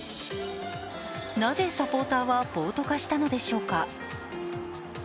なぜ、サポーターは暴徒化したのでしょうか？